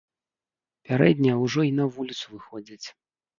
Пярэднія ўжо й на вуліцу выходзяць.